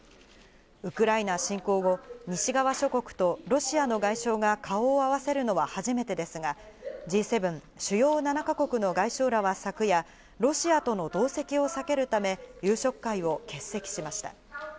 ウクライナ侵攻後、西側諸国とロシアの外相が顔を合わせるのは初めてですが、Ｇ７＝主要７か国の外相らは昨夜、ロシアとの同席を避けるため、夕食会を欠席しました。